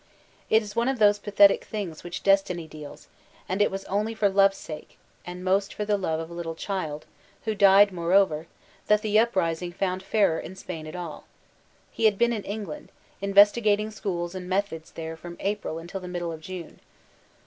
It is one of those pathetic things which destiny deals, that it was only for love's sake — and most for the love of a little child — who died moreover — that the uprising found Ferrer in Spain at all. He had been in England, investigating schools and methods there from April until the middle of June.